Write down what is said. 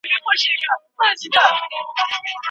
ډاکټرانو د ناروغ د وینې معاینه بشپړه کړې ده.